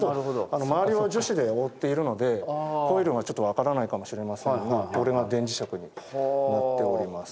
周りを樹脂で覆っているのでコイルがちょっと分からないかもしれませんがこれが電磁石になっております。